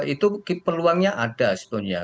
itu peluangnya ada sebetulnya